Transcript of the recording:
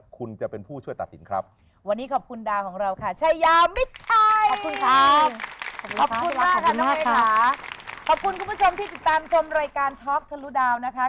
คุณผู้ชมที่ติดตามชมรายการทอล์กทะลุดาวนะคะ